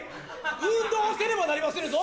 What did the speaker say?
運動せねばなりませぬぞ！